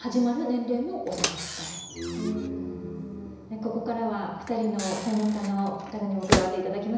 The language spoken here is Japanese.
ここからは２人の専門家の方にも加わっていただきます。